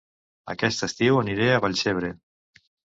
Aquest estiu aniré a Vallcebre